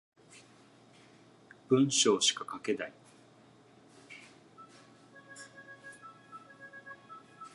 文章しか書けない